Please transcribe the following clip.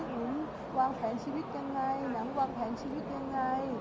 หนูวางแผนชีวิตยังไงหนังวางแผนชีวิตยังไง